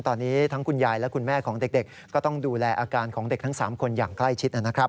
ตอนนี้ทั้งคุณยายและคุณแม่ของเด็กก็ต้องดูแลอาการของเด็กทั้ง๓คนอย่างใกล้ชิดนะครับ